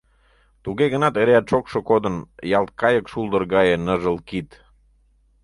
Туге гынат эреак шокшо кодын ялт кайык шулдыр гае ныжыл кид.